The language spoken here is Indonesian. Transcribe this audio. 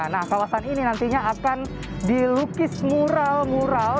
nah kawasan ini nantinya akan dilukis mural mural